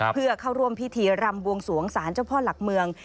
เพื่อเข้าร่วมพิธีรำบวงสวงศาลเจ้าพ่อหลักเมือง